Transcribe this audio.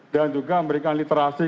dan juga memberikan literasi